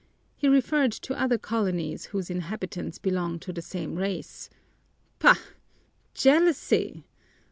He referred to other colonies whose inhabitants belong to the same race " "Bah, jealousy!